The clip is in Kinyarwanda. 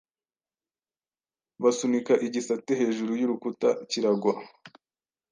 Basunika igisate hejuru yurukuta kiragwa